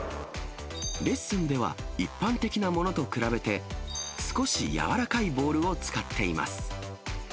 レッスンでは、一般的なものと比べて少し軟らかいボールを使っています。